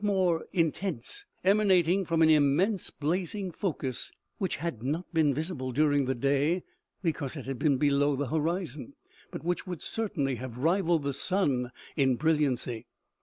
173 more intense, emanating from an immense blazing focus, which had not been visible during the day because it had been below the horizon, but which would certainly have rivalled the sun in brilliancy.